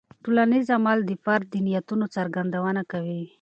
ټولنیز عمل د فرد د نیتونو څرګندونه کوي.